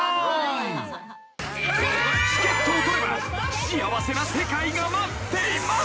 ［チケットを取れば幸せな世界が待っています］